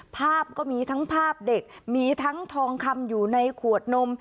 ภาพก็มีทั้งภาพเด็กมีทั้งทองคำอยู่ในขวดนม